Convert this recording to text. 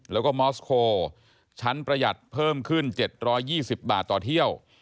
แล้วก็มอสโคชั้นประหยัดเพิ่มขึ้น๗๒๐บาทต่อเที่ยว